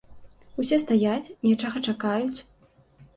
Усе стаяць, нечага чакаюць.